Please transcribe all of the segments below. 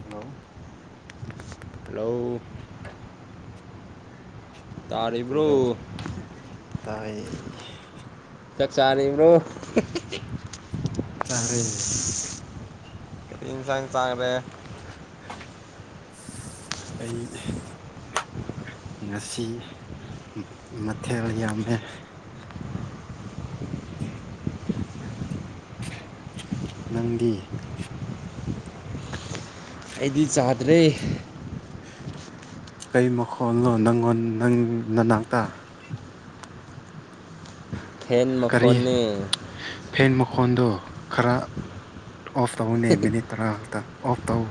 hello hello ꯇꯔꯤ ꯏꯕ꯭ꯔꯣ ꯀꯩꯗꯧ ꯇꯥꯏ ꯆꯥꯛꯆꯥ ꯂꯩꯔꯤꯕ꯭ꯔꯣ ꯆꯥꯔꯦ ꯤꯟꯁꯥꯡ ꯆꯥꯡꯒꯔꯦ ꯑꯩ ꯉꯁꯤ ꯃꯊꯦꯜ ꯌꯥꯝꯃꯦ [unintelligible] ꯅꯪꯗꯤ ꯑꯩꯗꯤ ꯆꯥꯗ꯭ꯔꯦ ꯀꯩ ꯃꯈꯣꯜꯅꯣ ꯅꯪꯣꯟ ꯅꯪ ꯅꯅꯥꯇꯥ ꯐꯦꯟ ꯀꯔꯤ ꯃꯈꯣꯟꯅꯦ ꯐꯦꯟ ꯃꯈꯣꯟꯗꯣ ꯈꯔ ꯑꯣꯐ ꯇꯥꯧꯅꯦ ꯃꯤꯅꯤ ꯇꯔ ꯍꯇ ꯑꯣꯐ ꯇꯧ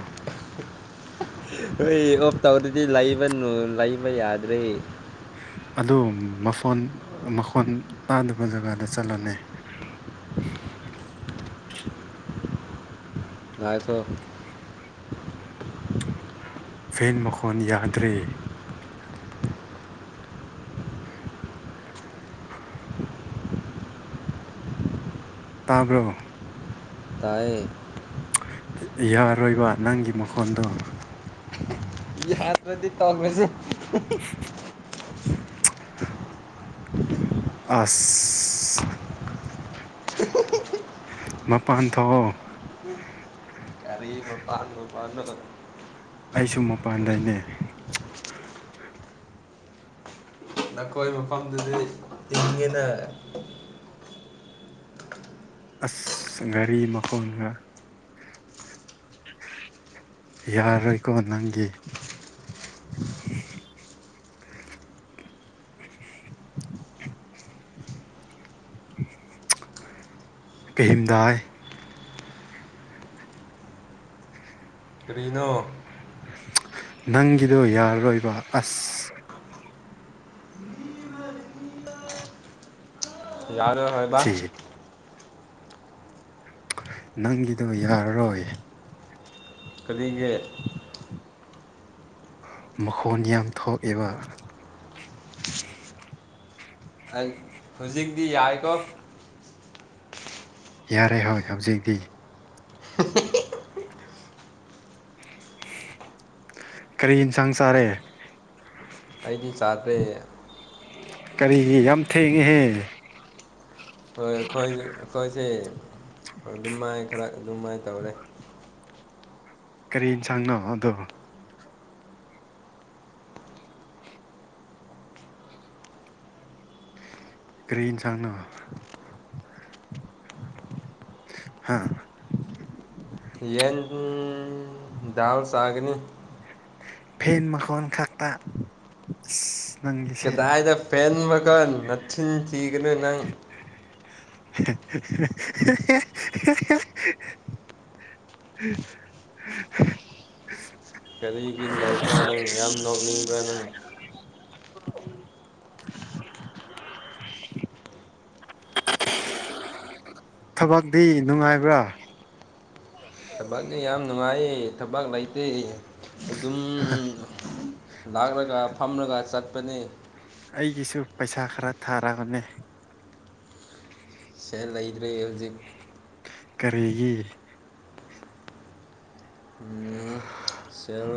ꯍꯣꯏ ꯑꯣꯞ ꯇꯧꯔꯗꯤ ꯂꯩꯕꯅꯨ ꯂꯩꯕ ꯌꯥꯗ꯭ꯔꯦ ꯑꯗꯨ ꯃꯈꯣꯟ ꯃꯈꯣꯟ ꯇꯥꯗꯕ ꯖꯒꯥꯗ ꯆꯠꯂꯅꯦ [unintelligible] ꯥꯏꯀ ꯐꯦꯟ ꯃꯈꯣꯟ ꯌꯥꯗ꯭ꯔꯦ ꯇꯥꯕ꯭ꯔꯣ ꯇꯌꯦ ꯌꯥꯔꯣꯏꯕ ꯅꯪꯒꯤ ꯃꯈꯣꯟꯗꯣ ꯑꯗꯕꯗꯤ ꯇꯉꯁꯤ ꯎ ꯑ ꯃꯄꯥꯟ ꯊꯣꯛ ꯑꯗ ꯑꯩꯁꯨ ꯃꯄꯥꯟꯗꯅꯦ ꯅꯈꯣꯏ ꯃꯐꯝꯗꯨꯗꯤ ꯇꯤꯡꯉꯦꯅ ꯑꯁ ꯘꯔꯤ ꯃꯈꯣꯡꯒ ꯌꯥꯔꯣꯏꯀꯣ ꯅꯪꯒꯤ [unintelligible] [unintelligible] ꯀꯝꯗꯥꯏ ꯀꯅꯣ ꯅꯪꯒꯤꯗꯣ ꯌꯥꯔꯔꯣꯏꯕ ꯑꯁ ꯌꯥꯔꯦ ꯍꯕ ꯁꯤ ꯅꯪꯒꯤꯗꯣ ꯑꯃꯁꯨꯡ ꯌꯥꯔꯔꯣꯏ ꯀꯔꯤꯒꯤ ꯃꯈꯣꯟ ꯌꯥꯝ ꯊꯣꯛꯑꯕ ꯍꯧꯖꯤꯛꯇꯤ ꯌꯥꯏꯀꯣ ꯌꯥꯔꯦ ꯍꯣꯏ ꯍꯧꯖꯤꯛꯇꯤ [unintelligible] ꯀꯔꯤ ꯌꯦꯟꯁꯥꯡ ꯆꯥꯔꯦ ꯑꯩꯗꯤ ꯆꯥꯗ꯭ꯔꯦ ꯀꯔꯤꯒꯤ ꯌꯥꯝ ꯊꯦꯡꯉꯤꯍꯦ ꯍꯣꯏ ꯑꯩꯈꯣꯏꯁꯦ ꯑꯩꯈꯣꯏꯁꯦ ꯑꯗꯨꯝ ꯃꯥꯏ ꯈꯔ ꯑꯗꯨꯝ ꯃꯥꯏꯅ ꯇꯧꯔꯦ ꯀꯔꯤ ꯌꯦꯟꯁꯥꯡꯅꯕ ꯑꯗꯣ ꯀꯔꯤꯟꯁꯥꯡꯅ ꯍꯥꯥ ꯌꯦꯟ ꯗꯥꯜ ꯆꯥꯒꯅꯤ ꯐꯦꯟ ꯃꯈꯣꯟ ꯈꯛꯇ ꯅꯪꯒꯤꯁꯦ ꯀꯗꯥꯏꯗ ꯐꯦꯟꯃꯒ ꯅꯠꯁꯤꯤꯟꯈꯤꯤꯒꯅꯣ ꯅꯪ [unintelligible] ꯎ ꯀꯔꯤꯒꯤ ꯅꯣꯛꯄ꯭ꯔꯥ ꯅꯪ ꯌꯥꯝ ꯅꯣꯛꯅꯤꯡꯕ꯭ꯔꯥ ꯅꯪ ꯊꯕꯛꯇꯤ ꯅꯨꯡꯉꯥꯏꯕ꯭ꯔꯥ ꯊꯕꯛꯁ ꯌꯥꯝ ꯅꯨꯡꯉꯥꯏꯌꯦ ꯊꯕꯛ ꯂꯩꯇꯦ ꯑꯗꯨꯝ ꯂꯥꯛꯂꯒ ꯐꯝꯂꯒ ꯆꯠꯄꯅꯤ ꯑꯩꯒꯤꯁꯨ ꯄꯩꯁꯥ ꯈꯔ ꯊꯥꯔꯒꯅꯦ ꯁꯦ ꯂꯩꯇ꯭ꯔꯦ ꯍꯧꯖꯤꯛ ꯀꯔꯤꯒꯤ ꯎ ꯁꯦꯜ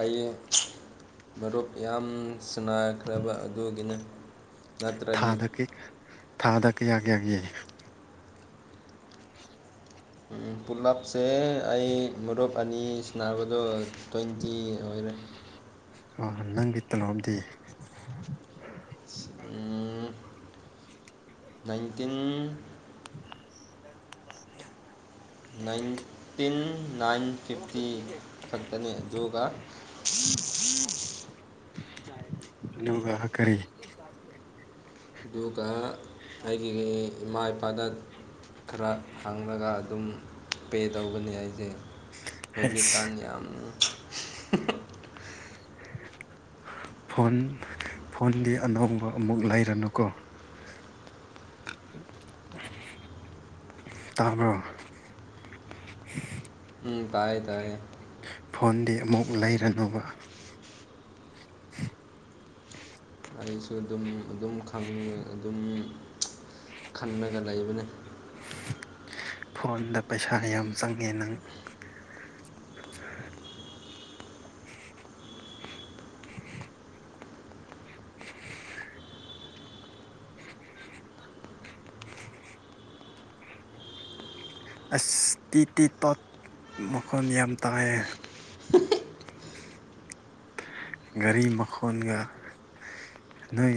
ꯑꯩ ꯃꯔꯨꯞ ꯌꯥꯝ ꯁꯅꯥꯈ꯭ꯔꯕ ꯑꯗꯨꯒꯤꯅꯤ ꯅꯠꯇ꯭ꯔꯗꯤ ꯊꯥꯗ ꯊꯥꯗ ꯀ ꯌꯥ ꯀꯦ ꯌꯥꯒ ꯌꯥꯏ ꯄꯨꯂꯞꯁꯦ ꯑꯩ ꯃꯔꯨꯞ ꯑꯅꯤ ꯁꯕꯗꯣ ꯇ꯭ꯋꯦꯟꯇꯤ ꯑꯣꯏꯔꯦ ꯑ ꯅꯪꯒꯤ ꯇꯅꯣꯝꯗꯤ ꯅꯥꯏꯟꯇꯤꯟ ꯅꯥꯏꯟꯇꯤꯟ ꯅꯥꯏꯟ ꯐꯤꯐꯇꯤ ꯈꯛꯇꯅꯤ ꯑꯗꯨꯒ ꯑꯅꯒ ꯈꯔꯤ ꯑꯗꯨꯒ ꯑꯩꯒꯤ ꯏꯃꯥ ꯏꯄꯥꯗ ꯈꯔ ꯍꯥꯡꯉꯒ ꯑꯗꯨꯝ ꯄꯦ ꯇꯧꯒꯅꯤ ꯑꯩꯁꯦ ꯍꯧꯖꯤꯛꯀꯥꯟ ꯑꯁ ꯌꯥꯝꯅ ꯐꯣꯟ ꯐꯣꯟꯗꯤ ꯑꯅꯧꯕ ꯑꯃꯨꯛ ꯂꯩꯔꯅꯨꯀꯣ ꯇꯥꯔꯕ ꯎꯝ ꯇꯥꯏꯌꯦ ꯇꯑꯌꯦ ꯐꯣꯟꯗꯤ ꯑꯃꯨꯛ ꯂꯩꯔꯅꯨꯕ ꯑꯩꯁꯨ ꯑꯗꯨꯝ ꯑꯗꯨꯝ ꯈꯪꯦ ꯑꯗꯨꯝ ꯈꯟꯅꯂꯒ ꯂꯩꯕꯅꯤ ꯐꯣꯟꯗ ꯄꯩꯁꯥ ꯌꯥꯝ ꯆꯪꯉꯦ ꯅꯪ [unintelligible] [unintelligible] [unintelligible] ꯑꯁ ꯇꯤꯠ ꯇꯤꯠ ꯇꯣꯠ ꯃꯈꯣꯟ ꯌꯥꯝ ꯇꯉꯥꯌꯦ [unintelligible] ꯒꯥꯔꯤ ꯃꯈꯣꯟꯒ ꯅꯣꯏ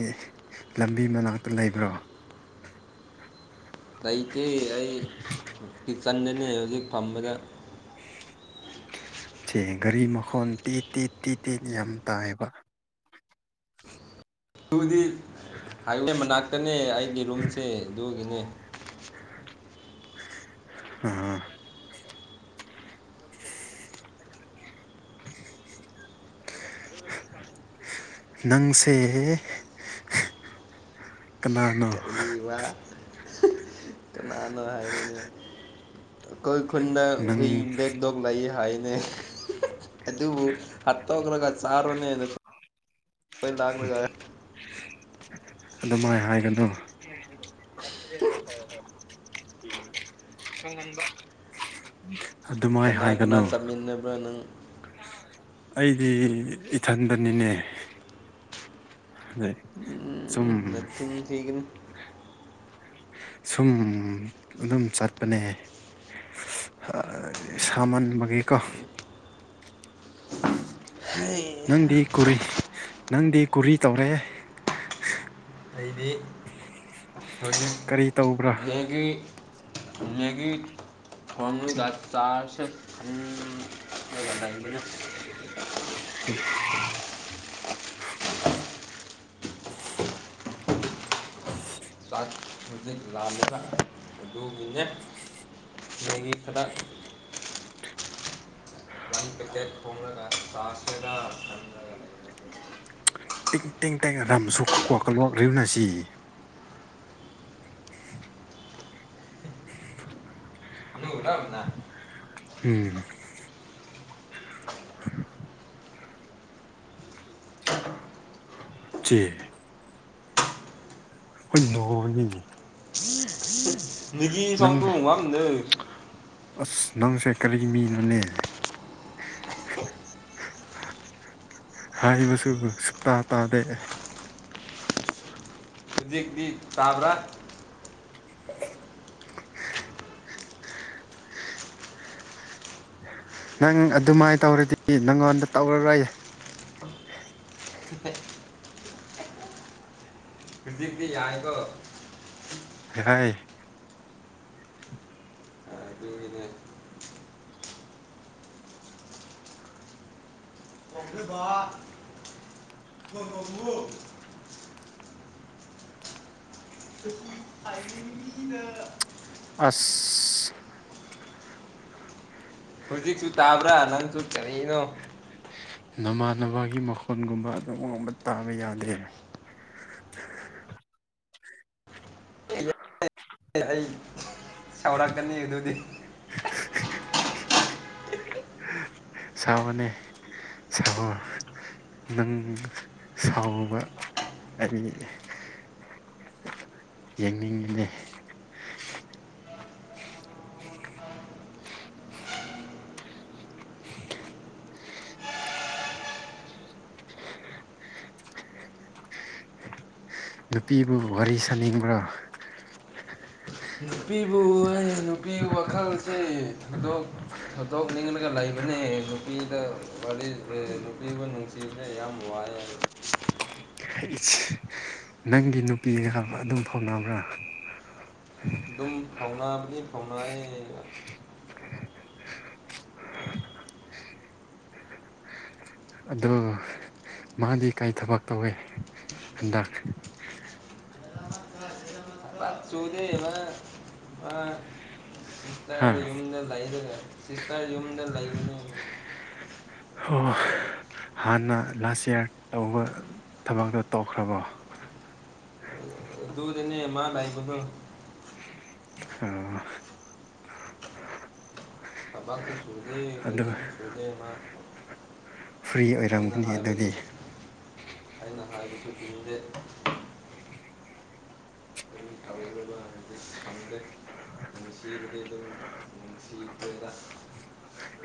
ꯂꯝꯕꯤ ꯃꯅꯥꯛꯇ ꯂꯩꯕ꯭ꯔꯣ ꯂꯩꯇꯦ ꯑꯩ ꯀꯤꯠꯆꯟꯗꯅꯤ ꯍꯧꯖꯤꯛ ꯐꯝꯕꯗ [unintelligible] ꯁꯦ ꯒꯥꯔꯤ ꯃꯈꯣꯟ ꯇꯤꯠ ꯇꯤꯠ ꯇꯤꯠ ꯇ ꯌꯥꯝ ꯇꯥꯏꯌꯦꯕ ꯑꯗꯨꯗꯤ ꯍꯥꯏꯋꯦ ꯃꯅꯥꯛꯇꯅꯦ ꯑꯩꯒꯤ ꯔꯨꯝꯁꯦ ꯑꯗꯨꯒꯤꯅꯦ ꯑꯍꯥ [unintelligible] [unintelligible] ꯅꯪꯁꯦ ꯀꯅꯥꯅꯣ ꯅꯪꯁꯤꯗꯤꯕ ꯀꯅꯥꯅꯣ ꯍꯥꯏꯔꯅꯦ ꯑꯩꯈꯣꯏ ꯈꯨꯟꯅ ꯅꯪ ꯍꯨꯏ ꯕ꯭ꯂꯦꯛꯒ ꯗꯣꯒ ꯂꯥꯏꯌꯦ ꯍꯥꯏ [unintelligible] ꯌꯣꯏ ꯂꯥꯛꯂꯒ ꯑꯗꯨ ꯃꯥꯏ ꯍꯥꯏꯒꯅꯣ ꯑꯗꯨꯃꯥꯏ ꯍꯥꯏꯒꯅꯨ ꯄꯨꯅꯕ ꯅꯪ ꯑꯩꯗꯤ ꯏꯊꯟꯗꯅꯤꯅꯦ [unintelligible] ꯎꯝ ꯅꯆꯤꯟ ꯊꯤꯒꯅꯨ ꯁꯨꯝ ꯑꯗꯨꯝ ꯆꯠꯄꯅꯦ ꯁꯃꯥꯟ ꯕꯒꯤꯀꯣ [unintelligible] ꯑꯩꯗꯤ ꯅꯪꯗꯤ ꯀꯨꯔꯤ ꯅꯪꯗꯤ ꯀꯨꯔꯤ ꯇꯧꯔꯦ ꯍꯧꯖꯤꯛ ꯀꯔꯤ ꯇꯧꯕ꯭ꯔꯥ ꯃꯦꯒꯤ ꯃꯅꯨꯡꯗ ꯆꯥꯔꯁꯦ ꯈꯟꯂꯒ ꯂꯩꯕꯅꯦ [unintelligible] [unintelligible] ꯑꯗꯨ ꯂꯥꯜꯂꯦꯅꯥ ꯑꯗꯨ ꯑꯗꯨꯒꯤꯅꯦ ꯑꯗꯨꯒꯤ ꯈꯔ [unintelligible] ꯊꯣꯡꯂꯒ ꯆꯥꯁꯤꯔꯥ ꯈꯟꯕ [unintelligible] [unintelligible] [unintelligible] ꯎꯝ ꯆꯦ [unintelligible] ꯃꯤꯒꯤ ꯅꯪ ꯁꯣꯡꯇꯣ ꯉꯝꯅꯦ ꯑꯁ ꯅꯪꯁꯦ ꯀꯔꯤ ꯃꯤꯅꯣꯅꯦ ꯍꯥꯏꯕꯁꯨ ꯁꯨꯛꯇꯥꯥ ꯇꯥꯗꯦ ꯍꯧꯖꯤꯛꯊꯤ ꯇꯥꯕ꯭ꯔꯥ [unintelligible] ꯅꯪ ꯑꯗꯨꯃꯥꯏꯅ ꯇꯧꯔꯗꯤ ꯅꯪꯉꯣꯟꯗ ꯇꯧꯔꯔꯣꯏ [unintelligible] ꯍꯧꯖꯤꯛꯊꯤ ꯌꯥꯔꯦꯀꯣ ꯌꯥꯥꯏ ꯑꯗꯨꯒꯤꯅꯦ ꯑꯣꯕ ꯑꯁ ꯍꯧꯖꯤꯛꯁꯨ ꯇꯥꯕ꯭ꯔꯥ ꯅꯪꯁꯨ ꯀꯦꯅꯅꯣ ꯅꯃꯥꯟꯅꯕꯒꯤ ꯃꯈꯣꯟꯒꯨꯝꯕ ꯑꯗꯨꯝ ꯋꯥꯡꯕ ꯇꯥꯕ ꯌꯥꯗ꯭ꯔꯦ [unintelligible] ꯁꯧꯔꯥꯛꯅꯤ ꯑꯗꯨꯗꯤ ꯁꯥꯎꯑꫭꯅꯦ ꯁꯥꯔꫭ ꯅꯪ ꯁꯥꯎꯕ ꯑꯩ ꯌꯦꯡꯅꯤꯡꯉꯤꯅ‌ꯦ ꯅꯨꯄꯤꯕꯨ ꯋꯥꯔꯤ ꯁꯥꯅꯤꯡꯕ꯭ꯔꯥ ꯅꯨꯄꯤꯕꯨ ꯑꯩ ꯅꯨꯄꯤ ꯋꯥꯈꯜꯁꯦ ꯊꯗꯣꯛ ꯊꯥꯗꯣꯛꯅꯤꯡꯂꯒ ꯂꯩꯕꯅꯦꯍꯦ ꯅꯨꯄꯤꯗ ꯋꯥꯔꯤ ꯅꯨꯄꯤꯕꯨ ꯅꯨꯡꯁꯤ‌‌ꯦ ꯁꯤꯕꯁ‌ꯦ ꯌꯥꯝ ꯋꯥꯏꯑ ꯅꯪꯒꯤ ꯅꯨꯄꯤꯒ ꯑꯗꯨꯝ ꯐꯥꯎꯅꯕ꯭ꯔꯥ ꯑꯗꯨꯝ ꯐꯥꯎꯅꯥꯕꯗꯤ ꯐꯥꯎꯅꯥꯑ‌ꯦ ꯑꯗꫭ ꯃꯗꯤ ꯀꯩꯏ ꯊꯕꯛ ꯇꯧꯋꯦ ꯍꯟꯗꯛ ꯆꯨꯗ‌ꯦꯕ ꯁꯤꯁꯇꯔ ꯍꯥ ꯌꯨꯝꯗ ꯂꯩꯕꯅ‌ꯦ ꯁꯤꯁꯇꯔ ꯌꯨꯝꯗ ꯂꯩꯕꯅꯦ ꯑꯣ ꯍꯥꯟꯅ ꯂꯥꯁ ꯏꯌꯥꯔ ꯇꯧꯕ ꯊꯕꯛꯇꯣ ꯇꯧꯈ꯭ꯔꯕꯣ ꯑꯗꯨꯗꯥꯅꯦ ꯃꯥ ꯂꯩꯕꯗꯣ ꯑꫭ ꯊꯕꯥꯥꯡꯁꯨ ꯁꯨꯗꯦ ꯑꯗꯨ ꯀꯔꯤꯝ ꯁꯨꯗꯦ ꯃꯥ ꯐ꯭ꯔꯤ ꯑꯩꯅ ꯑꯣꯏꯔꯝꯒꯅꯤ ꯍꯥꯏꯕꯁꯨ ꯑꯗꯨꯗꯤ ꯑꯩꯅ ꯍꯥꯏꯕꯁꯨ ꯏꯅꯤꯡꯗꯦ ꯊꯥꯎꯔ ꯂ [unintelligible] ꯈꯪꯗꯦ ꯅꯨꯡꯁꯤꯕꯗꯩ ꯑꯗꯨꯝ ꯅꯨꯡꯁꯤꯈꯔ‌ꯦꯗꯥ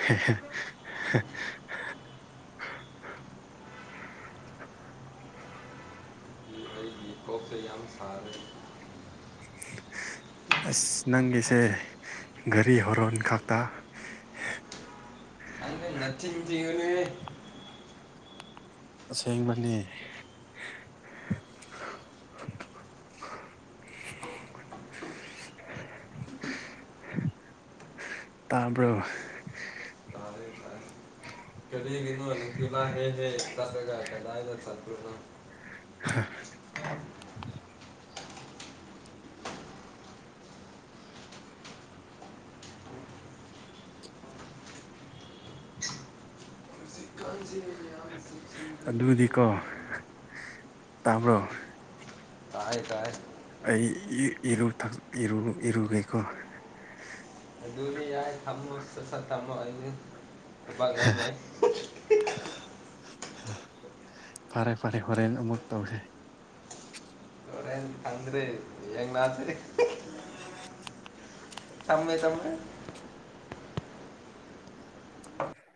ꯍ‌ꯦ ꯍ‌ꯦ ꯑꯩꯒꯤ ꯀꯣꯛꯁꯦ ꯌꯥꯝ ꯁꯥꯔꯦ ꯑꯁ ꯅꯪꯒꯤꯁꯦ ꯘꯔꯤ ꯍꯣꯔꯣꯟ ꯈꯛꯇ ꯅꯆꯤꯟ ꯊꯤꯒꯅꯨꯍ‌ꯦ ꯑꯁꯦꯡꯕꯅꯤ ꯇꯥꯔꯕꯣ ꯀꯔꯤꯒꯤ ꯅꫭ ꯅꯤꯡꯊꯤꯂ ꯍꯦ ꯍꯦ ꯆꯒ ꯀꯗꯥ ꯍꯥꯏꯗ ꯆꯅ ꯑꯁꯤ [unintelligible] ꯑꯗꯨꯗꯤꯀꯣ ꯇꯥꯕ꯭ꯔꯣ ꯥꯇꯥꯏ ꯇꯥꯏ ꯑꯩ ꯏꯔꯨꯒꯦꯀꯣ ꯑꯗꯨꯗꯤ ꯌꯥꯏ ꯊꯝꯃꯣ ꯁꯠ ꯁꯠ ꯊꯝꯃꯣ ꯑꯩꯗꯤ ꯊꯕꯥꯛ ꯌꯥꯝ ꯂꯩ ꯐꯔꯦ ꯐꯔꯦ ꯍꯣꯔꯦꯟ ꯑꯃꯨꯛ ꯇꯧꯁꯦ ꯈꯗꯔꯦ ꯌꯦꯡꯅꯁ‌ꯦ ꯊꯝꯃ‌ꯦ ꯊꯝꯃ‌ꯦ